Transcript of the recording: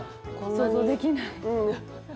想像できない。